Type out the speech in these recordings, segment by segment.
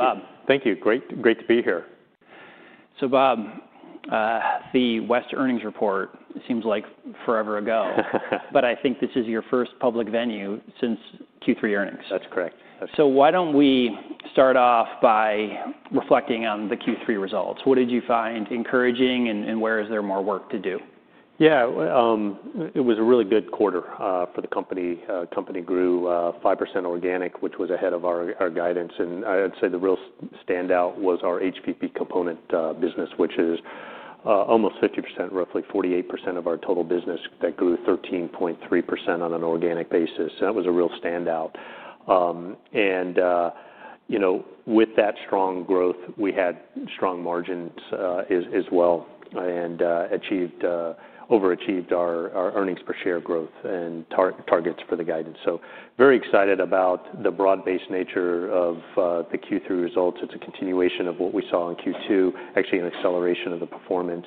Bob. Thank you. Great, great to be here. Bob, the West earnings report seems like forever ago, but I think this is your first public venue since Q3 earnings. That's correct. Why don't we start off by reflecting on the Q3 results? What did you find encouraging, and where is there more work to do? Yeah, it was a really good quarter for the company. The company grew 5% organic, which was ahead of our guidance. I'd say the real standout was our HVP component business, which is almost 50%, roughly 48% of our total business, that grew 13.3% on an organic basis. That was a real standout. With that strong growth, we had strong margins as well and overachieved our earnings per share growth and targets for the guidance. Very excited about the broad-based nature of the Q3 results. It's a continuation of what we saw in Q2, actually an acceleration of the performance.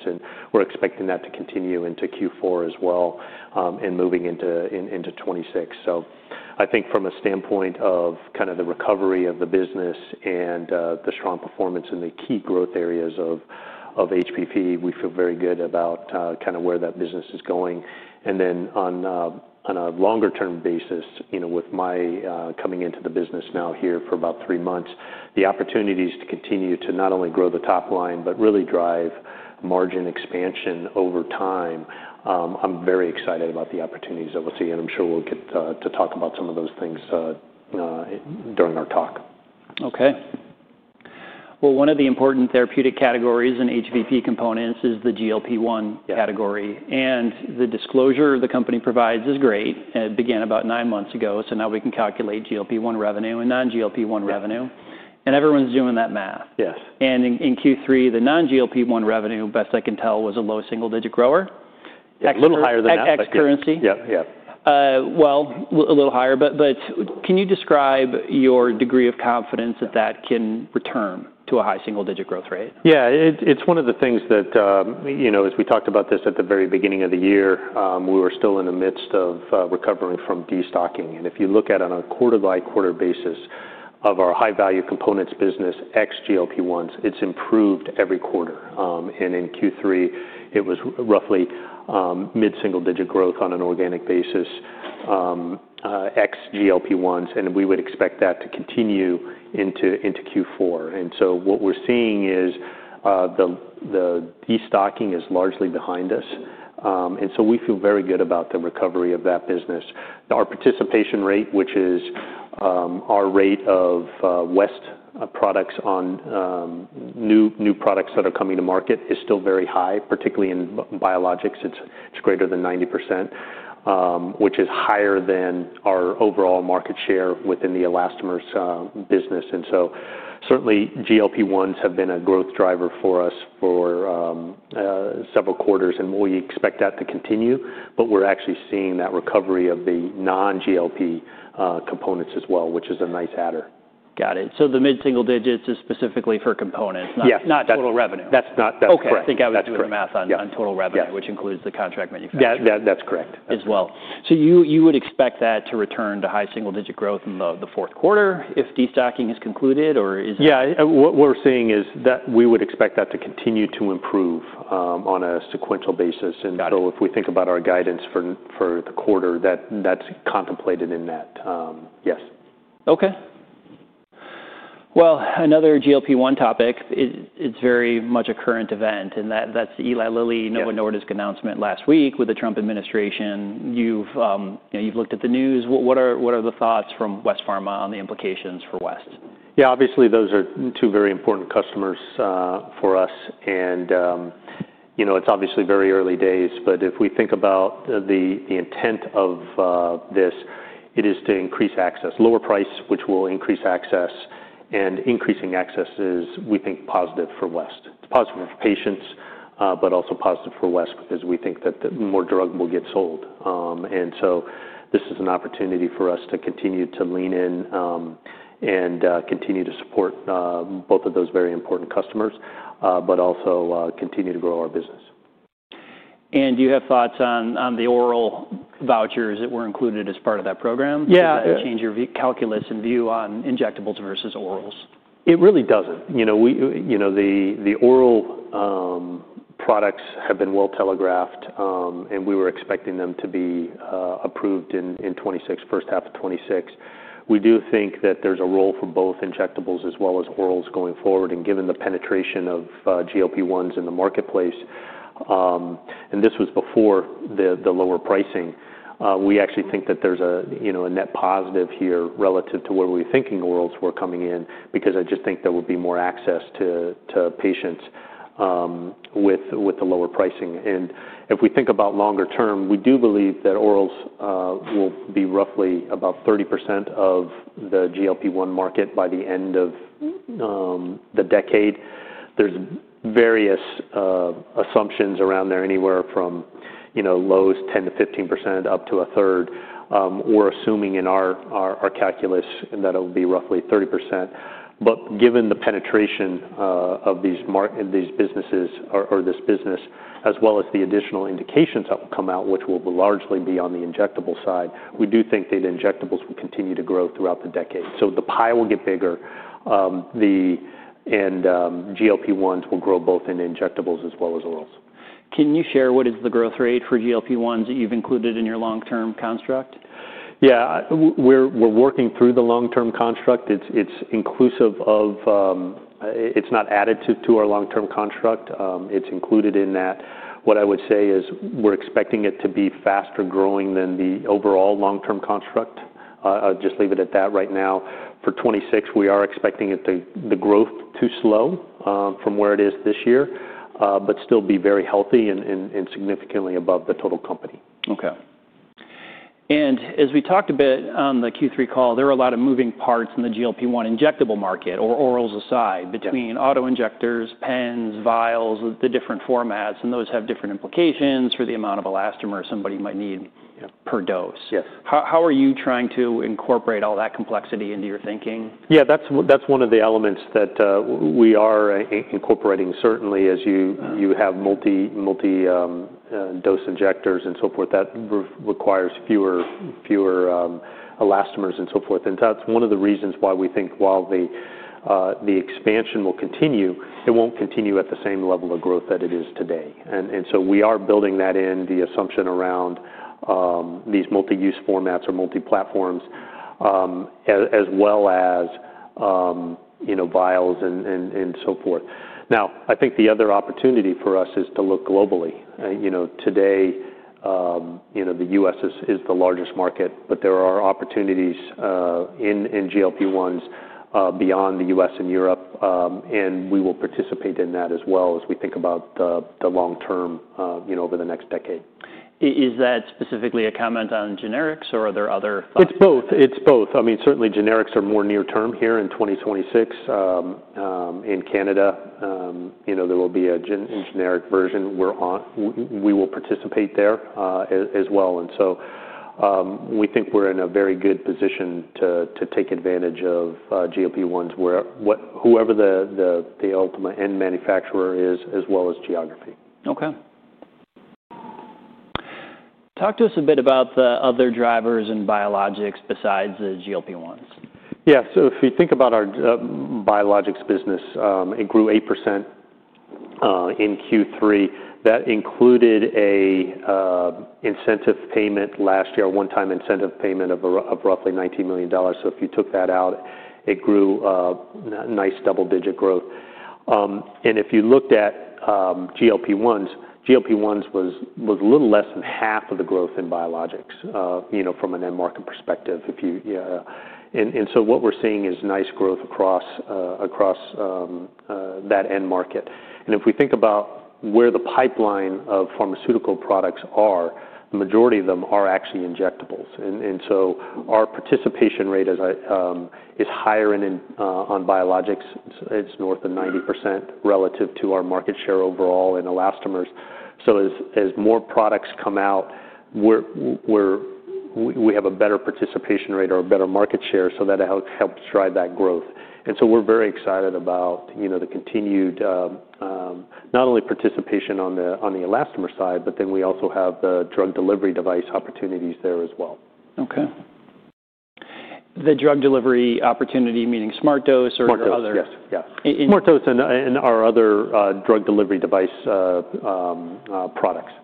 We're expecting that to continue into Q4 as well and moving into 2026. I think from a standpoint of kind of the recovery of the business and the strong performance in the key growth areas of HVP, we feel very good about kind of where that business is going. On a longer-term basis, with my coming into the business now here for about three months, the opportunities to continue to not only grow the top line but really drive margin expansion over time, I'm very excited about the opportunities that we'll see. I'm sure we'll get to talk about some of those things during our talk. Okay. One of the important therapeutic categories in HVP components is the GLP-1 category. The disclosure the company provides is great. It began about nine months ago, so now we can calculate GLP-1 revenue and non-GLP-1 revenue. Everyone's doing that math. Yes. In Q3, the non-GLP-1 revenue, best I can tell, was a low single-digit grower. A little higher than that. Excurrency? Yeah, yeah. A little higher. But can you describe your degree of confidence that that can return to a high single-digit growth rate? Yeah, it's one of the things that, as we talked about this at the very beginning of the year, we were still in the midst of recovering from destocking. If you look at on a quarter-by-quarter basis of our high-value components business, ex-GLP-1s, it's improved every quarter. In Q3, it was roughly mid-single-digit growth on an organic basis, ex-GLP-1s. We would expect that to continue into Q4. What we're seeing is the destocking is largely behind us. We feel very good about the recovery of that business. Our participation rate, which is our rate of West products on new products that are coming to market, is still very high, particularly in biologics. It's greater than 90%, which is higher than our overall market share within the elastomers business. Certainly, GLP-1s have been a growth driver for us for several quarters, and we expect that to continue. We are actually seeing that recovery of the non-GLP components as well, which is a nice adder. Got it. So the mid-single digits is specifically for components, not total revenue. That's correct. Okay. I think I was doing the math on total revenue, which includes the contract manufacturing. That's correct. As well. You would expect that to return to high single-digit growth in the fourth quarter if destocking has concluded, or is it? Yeah, what we're seeing is that we would expect that to continue to improve on a sequential basis. If we think about our guidance for the quarter, that's contemplated in that. Yes. Okay. Another GLP-1 topic. It's very much a current event. That's the Eli Lilly Novo Nordisk announcement last week with the Trump administration. You've looked at the news. What are the thoughts from West Pharma on the implications for West? Yeah, obviously, those are two very important customers for us. It's obviously very early days. If we think about the intent of this, it is to increase access, lower price, which will increase access. Increasing access is, we think, positive for West. It's positive for patients, but also positive for West because we think that more drug will get sold. This is an opportunity for us to continue to lean in and continue to support both of those very important customers, but also continue to grow our business. Do you have thoughts on the oral vouchers that were included as part of that program? Yeah. Does that change your calculus and view on injectables versus orals? It really doesn't. The oral products have been well telegraphed, and we were expecting them to be approved in 2026, first half of 2026. We do think that there's a role for both injectables as well as orals going forward. Given the penetration of GLP-1s in the marketplace, and this was before the lower pricing, we actually think that there's a net positive here relative to where we were thinking orals were coming in because I just think there would be more access to patients with the lower pricing. If we think about longer term, we do believe that orals will be roughly about 30% of the GLP-1 market by the end of the decade. There are various assumptions around there, anywhere from lows 10-15% up to a third. We're assuming in our calculus that it will be roughly 30%. Given the penetration of these businesses or this business, as well as the additional indications that will come out, which will largely be on the injectable side, we do think that injectables will continue to grow throughout the decade. The pie will get bigger, and GLP-1s will grow both in injectables as well as orals. Can you share what is the growth rate for GLP-1s that you've included in your long-term construct? Yeah, we're working through the long-term construct. It's inclusive of, it's not added to our long-term construct. It's included in that. What I would say is we're expecting it to be faster growing than the overall long-term construct. I'll just leave it at that right now. For 2026, we are expecting the growth to slow from where it is this year, but still be very healthy and significantly above the total company. Okay. As we talked a bit on the Q3 call, there are a lot of moving parts in the GLP-1 injectable market, or orals aside, between auto injectors, pens, vials, the different formats. Those have different implications for the amount of elastomer somebody might need per dose. Yes. How are you trying to incorporate all that complexity into your thinking? Yeah, that's one of the elements that we are incorporating, certainly, as you have multi-dose injectors and so forth that requires fewer elastomers and so forth. That is one of the reasons why we think while the expansion will continue, it will not continue at the same level of growth that it is today. We are building that in the assumption around these multi-use formats or multi-platforms, as well as vials and so forth. I think the other opportunity for us is to look globally. Today, the US is the largest market, but there are opportunities in GLP-1s beyond the US and Europe. We will participate in that as well as we think about the long term over the next decade. Is that specifically a comment on generics, or are there other thoughts? It's both. It's both. I mean, certainly, generics are more near-term here in 2026. In Canada, there will be a generic version. We will participate there as well. We think we're in a very good position to take advantage of GLP-1s, whoever the ultimate end manufacturer is, as well as geography. Okay. Talk to us a bit about the other drivers in biologics besides the GLP-1s. Yeah, so if we think about our biologics business, it grew 8% in Q3. That included a incentive payment last year, a one-time incentive payment of roughly $19 million. If you took that out, it grew nice double-digit growth. If you looked at GLP-1s, GLP-1s was a little less than half of the growth in biologics from an end market perspective. What we're seeing is nice growth across that end market. If we think about where the pipeline of pharmaceutical products are, the majority of them are actually injectables. Our participation rate is higher on biologics. It's north of 90% relative to our market share overall in elastomers. As more products come out, we have a better participation rate or a better market share, so that helps drive that growth. We're very excited about the continued not only participation on the elastomer side, but then we also have the drug delivery device opportunities there as well. Okay. The drug delivery opportunity, meaning SmartDose or other? SmartDose. Yes. SmartDose and our other drug delivery device products. Understood.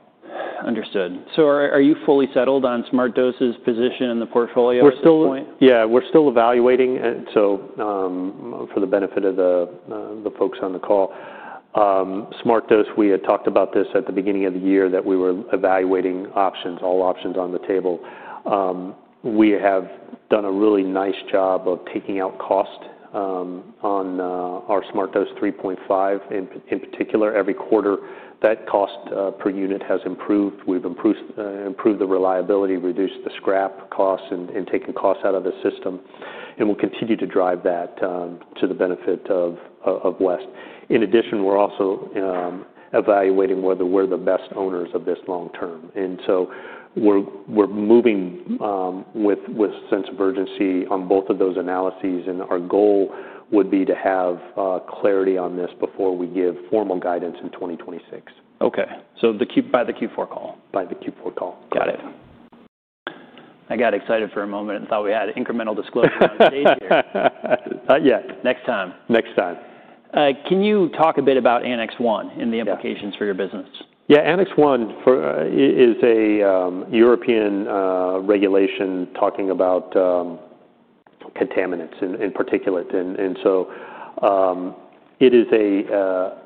So are you fully settled on SmartDose's position in the portfolio at this point? Yeah, we're still evaluating. So for the benefit of the folks on the call, SmartDose, we had talked about this at the beginning of the year that we were evaluating options, all options on the table. We have done a really nice job of taking out cost on our SmartDose 3.5, in particular, every quarter. That cost per unit has improved. We've improved the reliability, reduced the scrap costs, and taken costs out of the system. We'll continue to drive that to the benefit of West. In addition, we're also evaluating whether we're the best owners of this long term. We're moving with a sense of urgency on both of those analyses. Our goal would be to have clarity on this before we give formal guidance in 2026. Okay. So by the Q4 call? By the Q4 call. Got it. I got excited for a moment and thought we had incremental disclosure on the date here. Not yet. Next time. Next time. Can you talk a bit about Annex 1 and the implications for your business? Yeah, Annex 1 is a European regulation talking about contaminants and particulate. It is an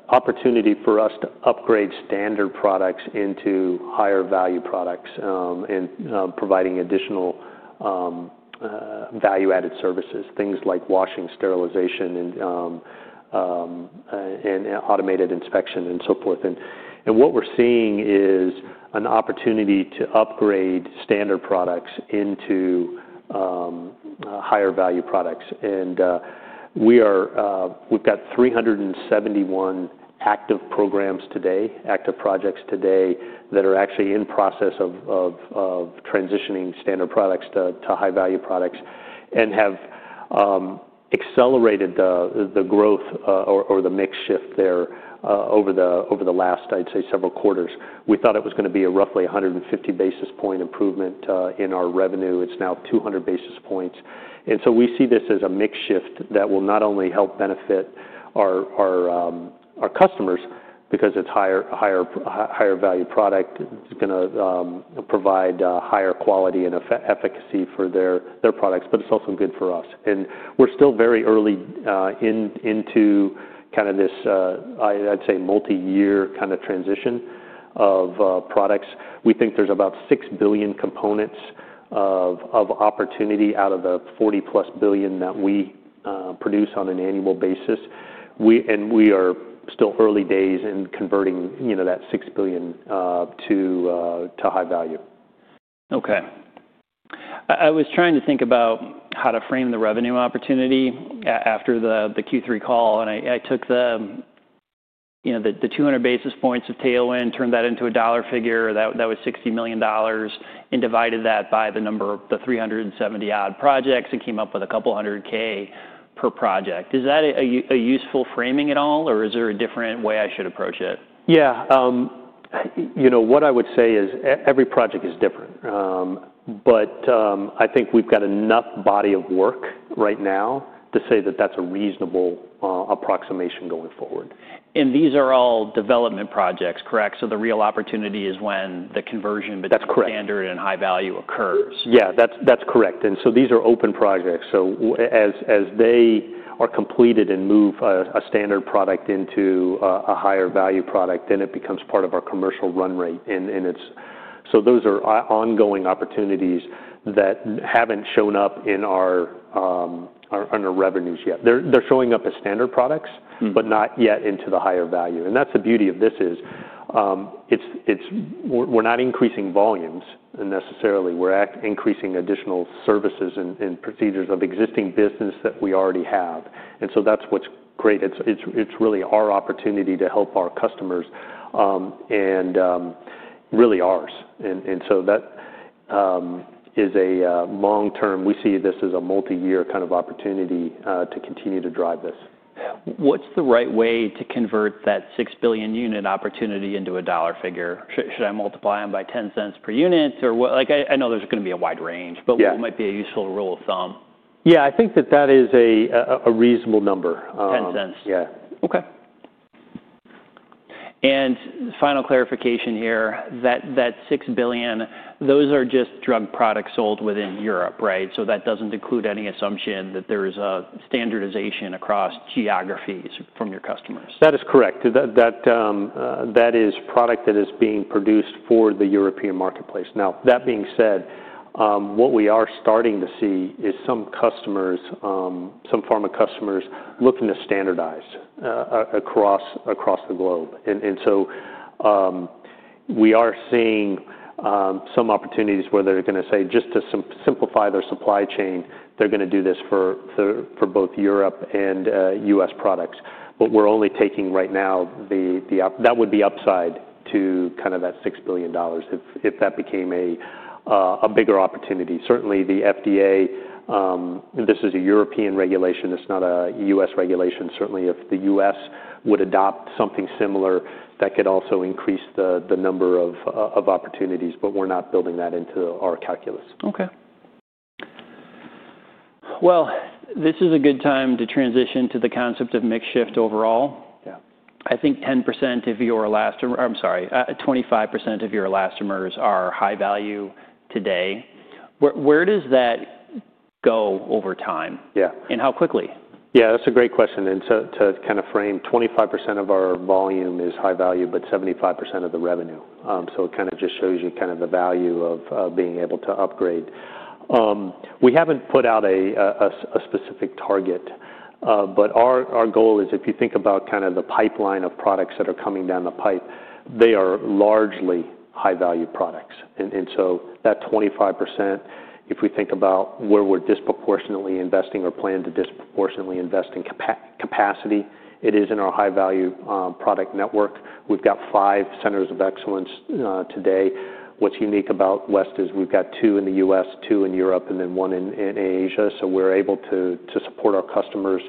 opportunity for us to upgrade standard products into higher value products and providing additional value-added services, things like washing, sterilization, and automated inspection, and so forth. What we're seeing is an opportunity to upgrade standard products into higher value products. We've got 371 active programs today, active projects today that are actually in process of transitioning standard products to high value products and have accelerated the growth or the mix shift there over the last, I'd say, several quarters. We thought it was going to be a roughly 150 basis point improvement in our revenue. It's now 200 basis points. We see this as a mix shift that will not only help benefit our customers because it's a higher value product. It's going to provide higher quality and efficacy for their products, but it's also good for us. We're still very early into kind of this, I'd say, multi-year kind of transition of products. We think there's about 6 billion components of opportunity out of the 40-plus billion that we produce on an annual basis. We are still early days in converting that 6 billion to high value. Okay. I was trying to think about how to frame the revenue opportunity after the Q3 call. I took the 200 basis points of tailwind, turned that into a dollar figure. That was $60 million. I divided that by the number of the 370-odd projects and came up with a couple hundred K per project. Is that a useful framing at all, or is there a different way I should approach it? Yeah. What I would say is every project is different. I think we've got enough body of work right now to say that that's a reasonable approximation going forward. These are all development projects, correct? The real opportunity is when the conversion between standard and high value occurs. That's correct. Yeah, that's correct. These are open projects. As they are completed and move a standard product into a higher value product, then it becomes part of our commercial run rate. Those are ongoing opportunities that have not shown up under revenues yet. They are showing up as standard products, but not yet into the higher value. The beauty of this is we are not increasing volumes necessarily. We are increasing additional services and procedures of existing business that we already have. That is what is great. It is really our opportunity to help our customers and really ours. That is a long-term, we see this as a multi-year kind of opportunity to continue to drive this. What's the right way to convert that 6 billion unit opportunity into a dollar figure? Should I multiply them by $0.10 per unit? I know there's going to be a wide range, but what might be a useful rule of thumb? Yeah, I think that that is a reasonable number. 0.10. Yeah. Okay. And final clarification here, that $6 billion, those are just drug products sold within Europe, right? So that doesn't include any assumption that there is a standardization across geographies from your customers. That is correct. That is product that is being produced for the European marketplace. Now, that being said, what we are starting to see is some pharma customers looking to standardize across the globe. We are seeing some opportunities where they're going to say, just to simplify their supply chain, they're going to do this for both Europe and US products. We're only taking right now that would be upside to kind of that $6 billion if that became a bigger opportunity. Certainly, the FDA, this is a European regulation. It's not a US regulation. Certainly, if the US would adopt something similar, that could also increase the number of opportunities. We're not building that into our calculus. Okay. This is a good time to transition to the concept of mix shift overall. I think 10% of your elastomer, I'm sorry, 25% of your elastomers are high value today. Where does that go over time? Yeah. How quickly? Yeah, that's a great question. To kind of frame, 25% of our volume is high value, but 75% of the revenue. It kind of just shows you the value of being able to upgrade. We haven't put out a specific target. Our goal is if you think about the pipeline of products that are coming down the pipe, they are largely high value products. That 25%, if we think about where we're disproportionately investing or plan to disproportionately invest in capacity, it is in our high value product network. We've got five centers of excellence today. What's unique about West is we've got two in the US, two in Europe, and then one in Asia. We're able to support our customers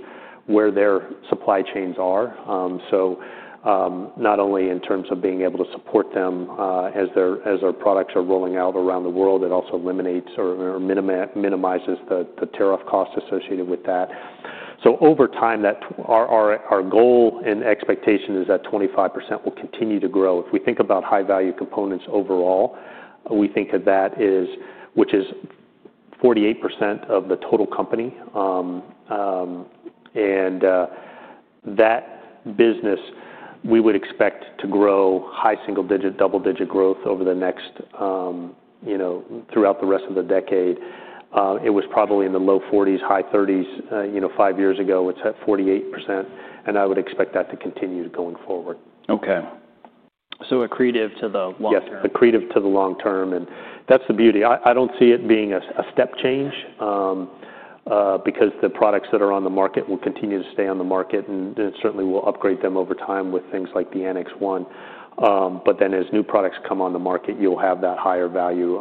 where their supply chains are. Not only in terms of being able to support them as our products are rolling out around the world, it also eliminates or minimizes the tariff cost associated with that. Over time, our goal and expectation is that 25% will continue to grow. If we think about high-value components overall, we think of that as which is 48% of the total company. That business, we would expect to grow high single-digit, double-digit growth throughout the rest of the decade. It was probably in the low 40s, high 30s five years ago. It is at 48%, and I would expect that to continue going forward. Okay. So accretive to the long term. Yes, accretive to the long term. That is the beauty. I do not see it being a step change because the products that are on the market will continue to stay on the market. Certainly, we will upgrade them over time with things like the Annex 1. As new products come on the market, you will have that higher value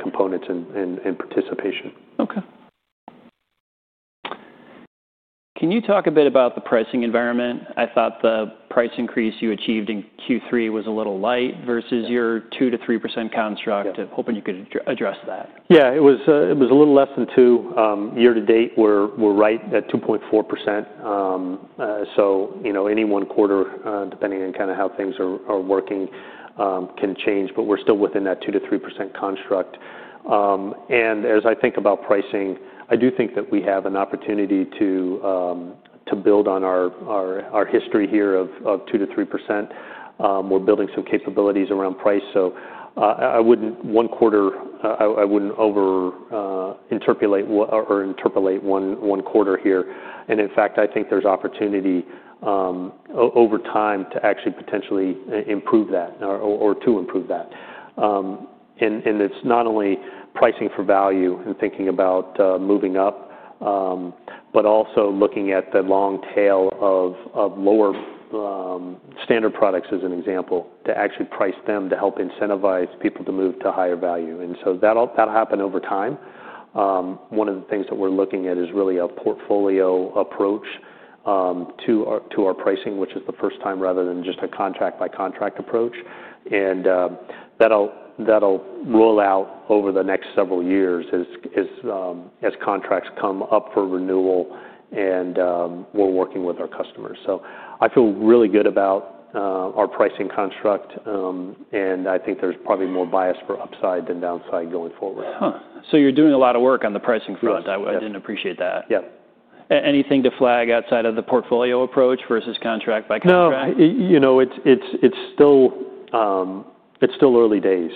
components and participation. Okay. Can you talk a bit about the pricing environment? I thought the price increase you achieved in Q3 was a little light versus your 2-3% construct. Hoping you could address that. Yeah, it was a little less than two. Year to date, we're right at 2.4%. Any one quarter, depending on kind of how things are working, can change. We're still within that 2-3% construct. As I think about pricing, I do think that we have an opportunity to build on our history here of 2-3%. We're building some capabilities around price. I would not overinterpolate or interpolate one quarter here. In fact, I think there's opportunity over time to actually potentially improve that or to improve that. It's not only pricing for value and thinking about moving up, but also looking at the long tail of lower standard products as an example to actually price them to help incentivize people to move to higher value. That will happen over time. One of the things that we're looking at is really a portfolio approach to our pricing, which is the first time rather than just a contract by contract approach. That'll roll out over the next several years as contracts come up for renewal and we're working with our customers. I feel really good about our pricing construct. I think there's probably more bias for upside than downside going forward. You're doing a lot of work on the pricing front. I didn't appreciate that. Yeah. Anything to flag outside of the portfolio approach versus contract by contract? No. It's still early days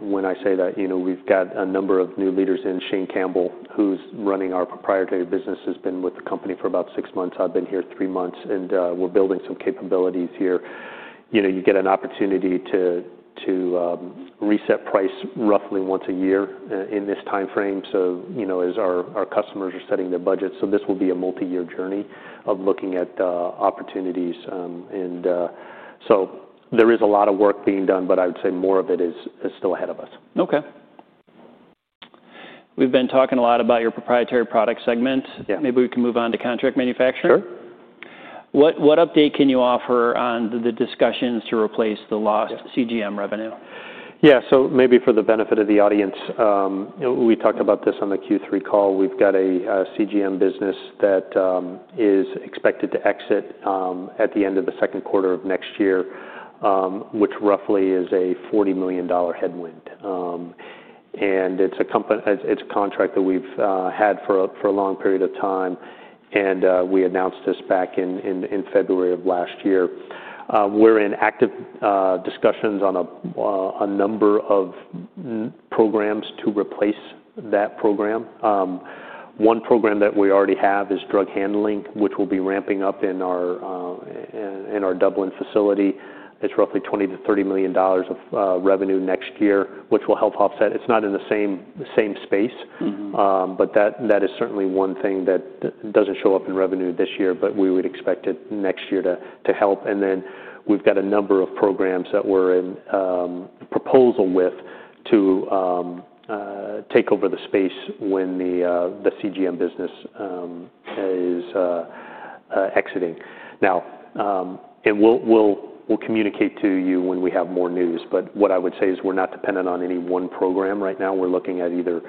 when I say that. We've got a number of new leaders in. Shane Campbell, who's running our proprietary business, has been with the company for about six months. I've been here three months. We're building some capabilities here. You get an opportunity to reset price roughly once a year in this timeframe as our customers are setting their budgets. This will be a multi-year journey of looking at opportunities. There is a lot of work being done, but I would say more of it is still ahead of us. Okay. We've been talking a lot about your proprietary product segment. Maybe we can move on to contract manufacturing. Sure. What update can you offer on the discussions to replace the lost CGM revenue? Yeah. Maybe for the benefit of the audience, we talked about this on the Q3 call. We've got a CGM business that is expected to exit at the end of the second quarter of next year, which roughly is a $40 million headwind. It's a contract that we've had for a long period of time. We announced this back in February of last year. We're in active discussions on a number of programs to replace that program. One program that we already have is drug handling, which we'll be ramping up in our Dublin facility. It's roughly $20 million-$30 million of revenue next year, which will help offset. It's not in the same space, but that is certainly one thing that doesn't show up in revenue this year, but we would expect it next year to help. We have a number of programs that we are in proposal with to take over the space when the CGM business is exiting. We will communicate to you when we have more news. What I would say is we are not dependent on any one program right now. We are looking at either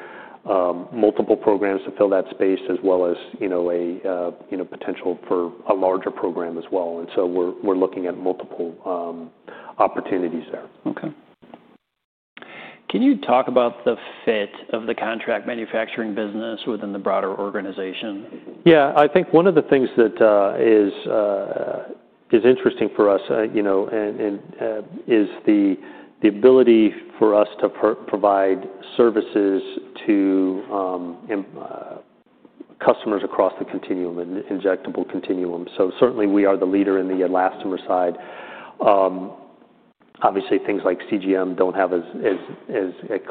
multiple programs to fill that space as well as a potential for a larger program as well. We are looking at multiple opportunities there. Okay. Can you talk about the fit of the contract manufacturing business within the broader organization? Yeah. I think one of the things that is interesting for us is the ability for us to provide services to customers across the injectable continuum. Certainly, we are the leader in the elastomer side. Obviously, things like CGM do not have as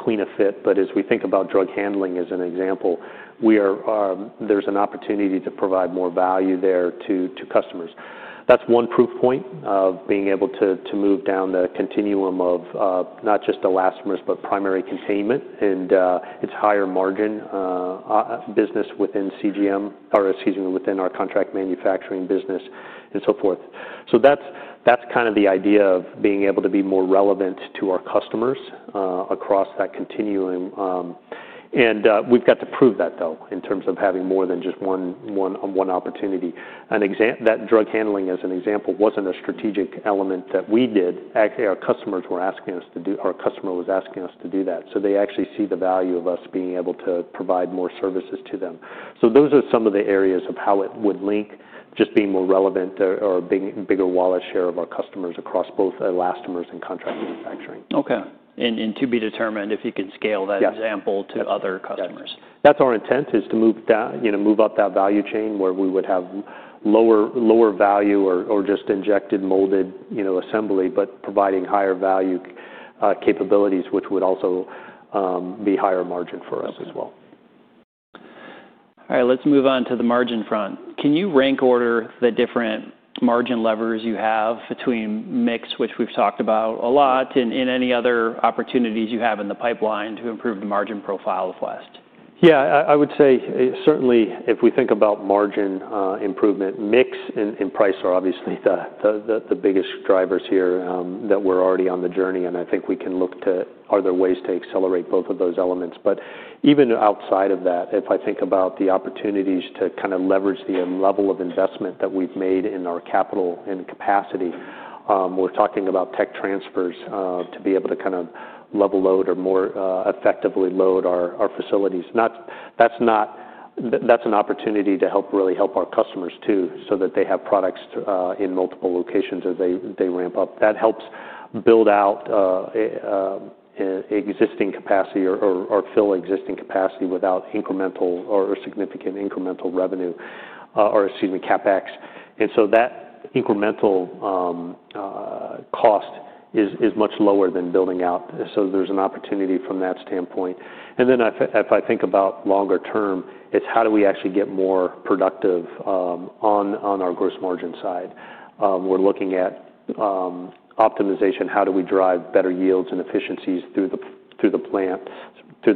clean a fit. As we think about drug handling as an example, there is an opportunity to provide more value there to customers. That is one proof point of being able to move down the continuum of not just elastomers, but primary containment and its higher margin business within CGM or, excuse me, within our contract manufacturing business and so forth. That is kind of the idea of being able to be more relevant to our customers across that continuum. We have got to prove that though in terms of having more than just one opportunity. That drug handling, as an example, was not a strategic element that we did. Our customers were asking us to do that. So they actually see the value of us being able to provide more services to them. Those are some of the areas of how it would link, just being more relevant or a bigger wallet share of our customers across both elastomers and contract manufacturing. Okay. To be determined if you can scale that example to other customers. That's our intent is to move up that value chain where we would have lower value or just injected, molded assembly, but providing higher value capabilities, which would also be higher margin for us as well. All right. Let's move on to the margin front. Can you rank order the different margin levers you have between mix, which we've talked about a lot, and any other opportunities you have in the pipeline to improve the margin profile of West? Yeah. I would say certainly, if we think about margin improvement, mix and price are obviously the biggest drivers here that we're already on the journey. I think we can look to are there ways to accelerate both of those elements. Even outside of that, if I think about the opportunities to kind of leverage the level of investment that we've made in our capital and capacity, we're talking about tech transfers to be able to kind of level load or more effectively load our facilities. That's an opportunity to really help our customers too so that they have products in multiple locations as they ramp up. That helps build out existing capacity or fill existing capacity without incremental or significant incremental revenue or, excuse me, CapEx. That incremental cost is much lower than building out. There's an opportunity from that standpoint. If I think about longer term, it's how do we actually get more productive on our gross margin side? We're looking at optimization. How do we drive better yields and efficiencies through the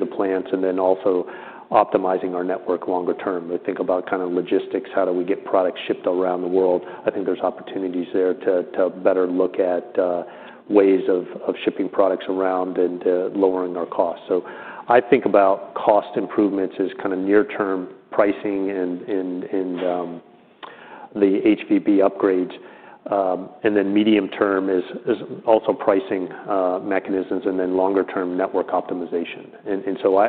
plants and then also optimizing our network longer term? We think about kind of logistics. How do we get products shipped around the world? I think there's opportunities there to better look at ways of shipping products around and lowering our costs. I think about cost improvements as kind of near-term pricing and the HVP upgrades. Medium term is also pricing mechanisms and then longer-term network optimization.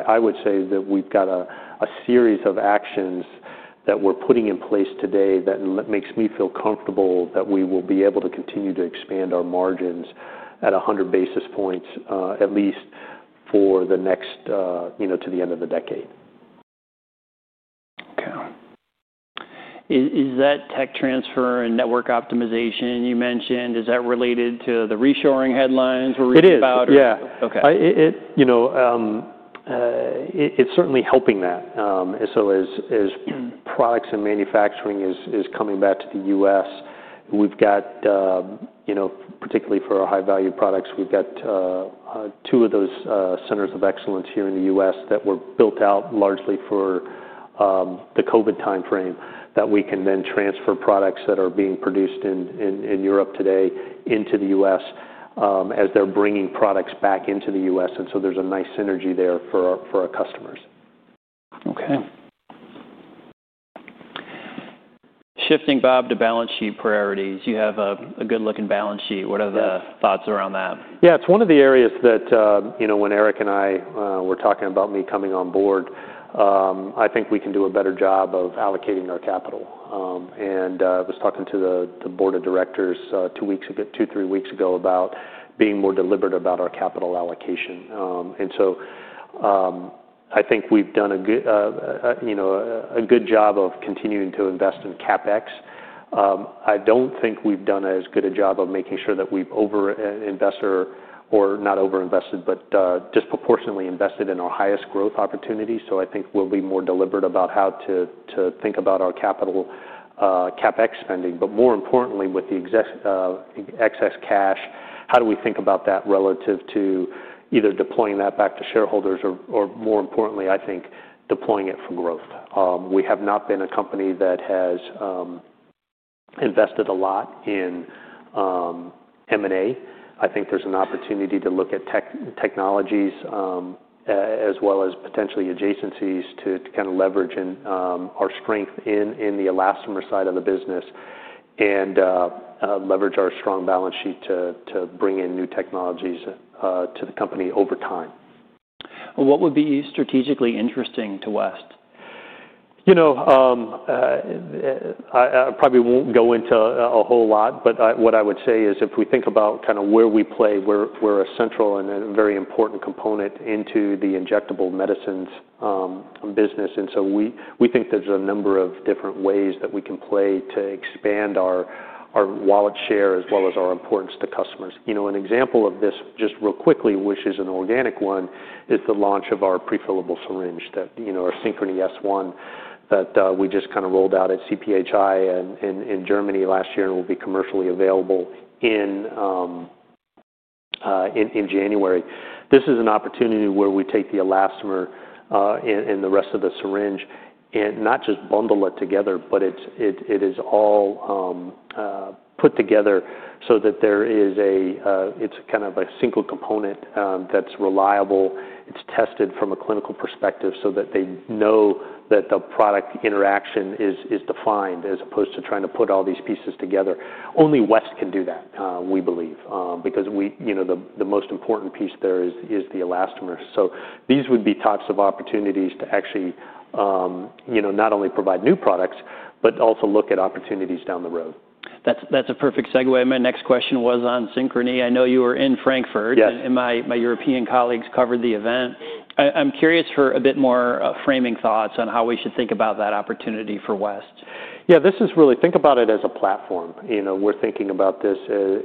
I would say that we've got a series of actions that we're putting in place today that makes me feel comfortable that we will be able to continue to expand our margins at 100 basis points at least for the next to the end of the decade. Okay. Is that tech transfer and network optimization you mentioned, is that related to the reshoring headlines we're reading about? It is. Yeah. It's certainly helping that. As products and manufacturing is coming back to the U.S., we've got, particularly for our high-value products, we've got two of those centers of excellence here in the U.S. that were built out largely for the COVID timeframe that we can then transfer products that are being produced in Europe today into the U.S. as they're bringing products back into the U.S. There is a nice synergy there for our customers. Okay. Shifting, Bob, to balance sheet priorities. You have a good looking balance sheet. What are the thoughts around that? Yeah. It's one of the areas that when Eric and I were talking about me coming on board, I think we can do a better job of allocating our capital. I was talking to the board of directors two or three weeks ago about being more deliberate about our capital allocation. I think we've done a good job of continuing to invest in CapEx. I don't think we've done as good a job of making sure that we've over-invested or not over-invested, but disproportionately invested in our highest growth opportunities. I think we'll be more deliberate about how to think about our capital CapEx spending. More importantly, with the excess cash, how do we think about that relative to either deploying that back to shareholders or, more importantly, I think deploying it for growth? We have not been a company that has invested a lot in M&A. I think there's an opportunity to look at technologies as well as potentially adjacencies to kind of leverage our strength in the elastomer side of the business and leverage our strong balance sheet to bring in new technologies to the company over time. What would be strategically interesting to West? I probably won't go into a whole lot, but what I would say is if we think about kind of where we play, we're a central and a very important component into the injectable medicines business. We think there's a number of different ways that we can play to expand our wallet share as well as our importance to customers. An example of this just real quickly, which is an organic one, is the launch of our prefillable syringe, our Synchrony S1 that we just kind of rolled out at CPHI in Germany last year and will be commercially available in January. This is an opportunity where we take the elastomer and the rest of the syringe and not just bundle it together, but it is all put together so that there is a it's kind of a single component that's reliable. It's tested from a clinical perspective so that they know that the product interaction is defined as opposed to trying to put all these pieces together. Only West can do that, we believe, because the most important piece there is the elastomer. These would be types of opportunities to actually not only provide new products, but also look at opportunities down the road. That's a perfect segue. My next question was on Synchrony. I know you were in Frankfurt. My European colleagues covered the event. I'm curious for a bit more framing thoughts on how we should think about that opportunity for West. Yeah. This is really, think about it as a platform. We're thinking about this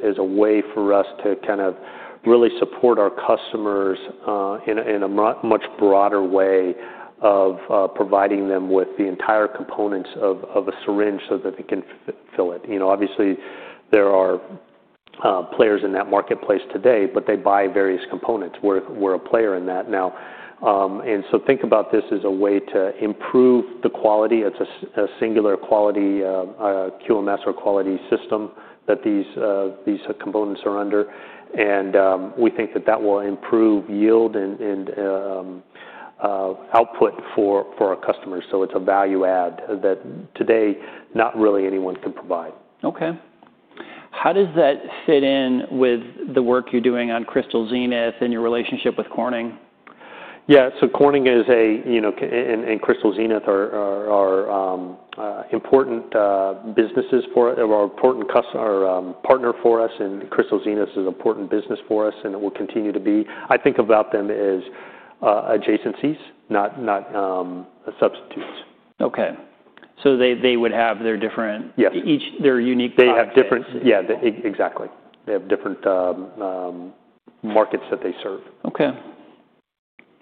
as a way for us to kind of really support our customers in a much broader way of providing them with the entire components of a syringe so that they can fill it. Obviously, there are players in that marketplace today, but they buy various components. We're a player in that now. Think about this as a way to improve the quality. It's a singular quality QMS or quality system that these components are under. We think that that will improve yield and output for our customers. It's a value add that today not really anyone can provide. Okay. How does that fit in with the work you're doing on Crystal Zenith and your relationship with Corning? Yeah. Corning and Crystal Zenith are important businesses for us, an important partner for us. Crystal Zenith is an important business for us and it will continue to be. I think about them as adjacencies, not substitutes. Okay. So they would have their different, each their unique product? They have different, yeah, exactly. They have different markets that they serve. Okay.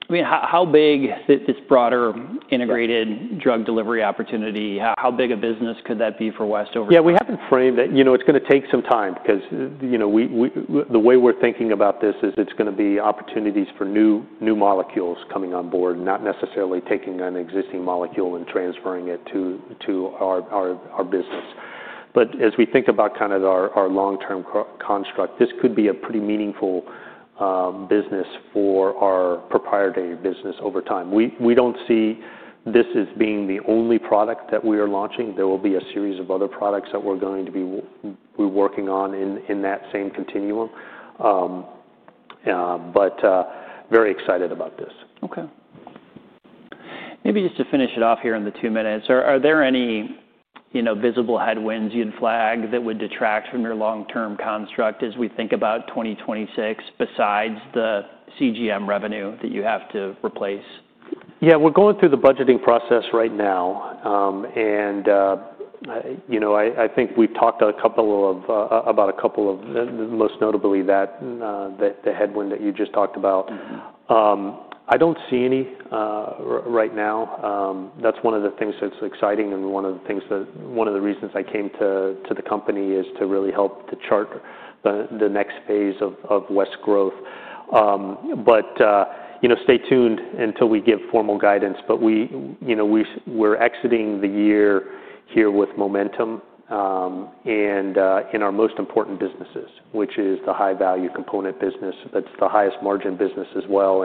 I mean, how big this broader integrated drug delivery opportunity, how big a business could that be for West over here? Yeah. We have not framed it. It is going to take some time because the way we are thinking about this is it is going to be opportunities for new molecules coming on board, not necessarily taking an existing molecule and transferring it to our business. As we think about kind of our long-term construct, this could be a pretty meaningful business for our proprietary business over time. We do not see this as being the only product that we are launching. There will be a series of other products that we are going to be working on in that same continuum. Very excited about this. Okay. Maybe just to finish it off here in the two minutes, are there any visible headwinds you'd flag that would detract from your long-term construct as we think about 2026 besides the CGM revenue that you have to replace? Yeah. We're going through the budgeting process right now. I think we've talked about a couple of, most notably, the headwind that you just talked about. I don't see any right now. That's one of the things that's exciting and one of the reasons I came to the company is to really help to chart the next phase of West's growth. Stay tuned until we give formal guidance. We're exiting the year here with momentum in our most important businesses, which is the high-value component business. It's the highest margin business as well.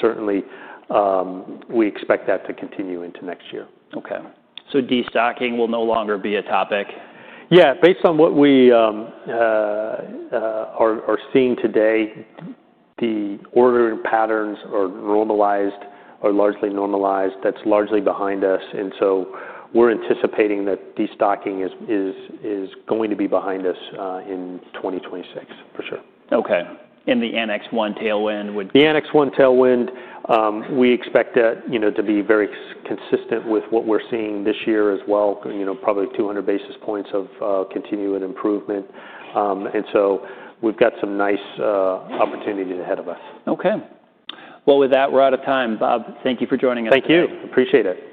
Certainly, we expect that to continue into next year. Okay. So destocking will no longer be a topic? Yeah. Based on what we are seeing today, the ordering patterns are normalized or largely normalized. That's largely behind us. We're anticipating that destocking is going to be behind us in 2026 for sure. Okay. And the Annex 1 tailwind would? The Annex 1 tailwind, we expect to be very consistent with what we're seeing this year as well, probably 200 basis points of continued improvement. We have some nice opportunities ahead of us. Okay. With that, we're out of time. Bob, thank you for joining us today. Thank you. Appreciate it.